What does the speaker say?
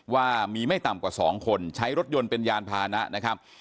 ว่ามีไม่ต่ำกว่า๒คนใช้รถยนต์เป็นยานพานะนะครับ